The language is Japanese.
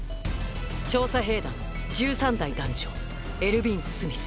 調査兵団１３代団長エルヴィン・スミス。